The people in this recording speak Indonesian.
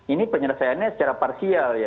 ini penyelesaiannya secara parsial ya